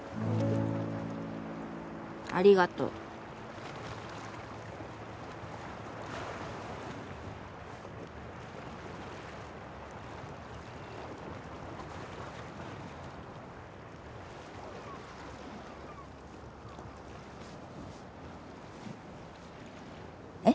ありがとう。えっ？